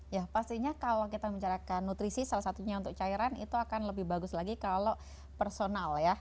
ya pastinya kalau kita bicarakan nutrisi salah satunya untuk cairan itu akan lebih bagus lagi kalau personal ya